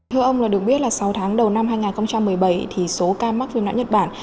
thưa ông được biết là sáu tháng đầu năm hai nghìn một mươi bảy thì số ca mắc viêm não nhật bản